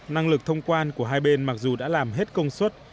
năng lực thông quan của hai bên mặc dù đã làm hết công suất